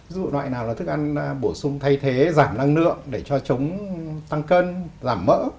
ví dụ loại nào là thức ăn bổ sung thay thế giảm năng lượng để cho chống tăng cân giảm mỡ